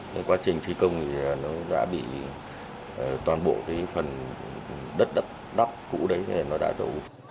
nên quá trình thi công thì nó đã bị toàn bộ cái phần đất đắp cũ đấy nó đã đổ